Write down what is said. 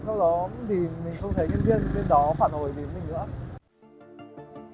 sau đó thì mình không thấy nhân viên bên đó phản hồi đến mình nữa